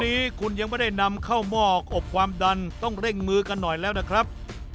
วันนี้คุณยังไม่ได้นำเข้าหม้ออบความดันต้องเร่งมือกันหน่อยแล้วนะครับ